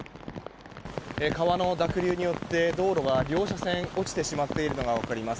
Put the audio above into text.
川の濁流によって道路が両車線落ちてしまっているのが分かります。